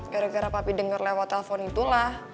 gara gara papi denger lewat telpon itulah